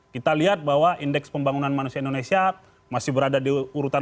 kita lihat bahwa indeks pembangunan manusia indonesia masih berada di urutan